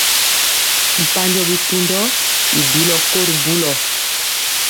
Mpanjɔ bitundɔ i bilɔ ko ri bulɔ.